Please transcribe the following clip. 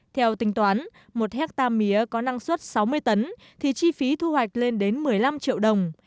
theo tính toán một hectare mía có năng suất sáu mươi tấn thì chi phí thu hoạch lên đến một mươi năm triệu đồng